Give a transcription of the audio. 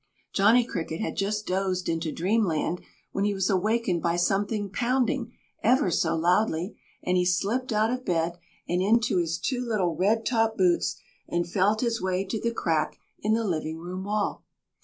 Johnny Cricket had just dozed into dreamland when he was awakened by something pounding ... ever so loudly ... and he slipped out of bed and into his two little red topped boots and felt his way to the crack in the living room wall.